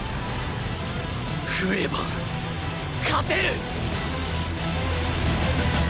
喰えば勝てる！！